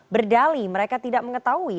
berdali mereka tidak mengetahui